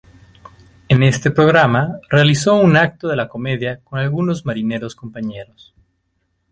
En este programa, realizó un acto de la comedia con algunos marineros compañeros.